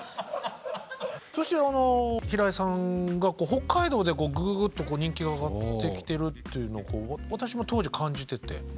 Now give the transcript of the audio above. そしてあの平井さんが北海道でぐぐぐっと人気が上がってきてるっていうのを私も当時感じてて。